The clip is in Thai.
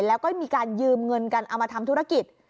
แล้วก็มีการยืมเงินกันเอามาทำธุรกิจ